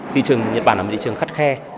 thị trường nhật bản là một thị trường khắt khe